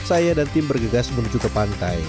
saya dan tim bergegas menuju ke pantai